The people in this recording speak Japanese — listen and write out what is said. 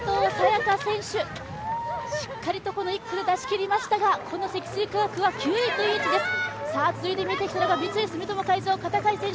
也伽選手、しっかりと１区で出しきりましたが積水化学は９位という位置です。